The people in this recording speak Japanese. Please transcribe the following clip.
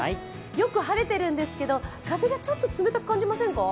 よく晴れているんですけど、風がちょっと冷たく感じませんか？